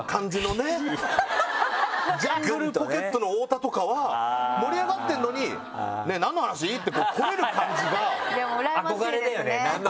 ジャングルポケットの太田とかは盛り上がってるのに「ねぇ何の話？」ってこれる感じが。